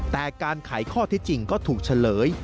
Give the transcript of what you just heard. แต่การไขข้อที่จริงก็ถูกเฉลย